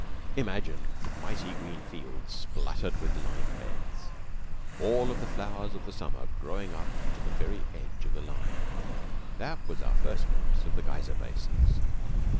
Imagine mighty green fields splattered with lime beds, all the flowers of the summer growing up to the very edge of the lime. That was our first glimpse of the geyser basins.